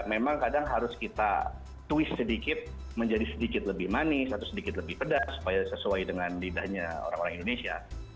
memang kadang harus kita twist sedikit menjadi sedikit lebih manis atau sedikit lebih pedas supaya sesuai dengan lidahnya orang orang indonesia